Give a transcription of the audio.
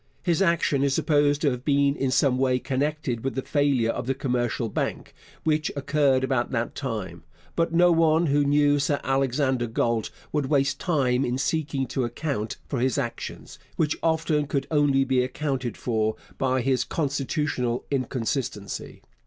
His action is supposed to have been in some way connected with the failure of the Commercial Bank, which occurred about that time, but no one who knew Sir Alexander Galt would waste time in seeking to account for his actions, which often could only be accounted for by his constitutional inconstancy.